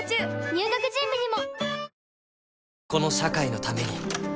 入学準備にも！